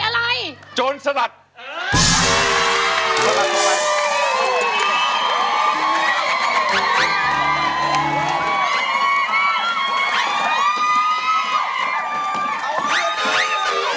ร้องได้ให้ร้อง